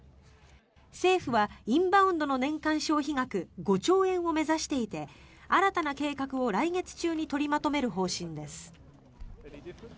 政府はインバウンドの年間消費額５兆円を目指していて新たな計画を来月中に取りまとめる方針です。